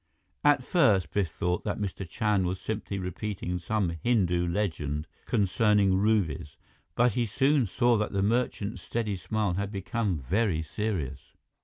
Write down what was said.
At first, Biff thought that Mr. Chand was simply repeating some Hindu legend concerning rubies, but he soon saw that the merchant's steady smile had become very serious.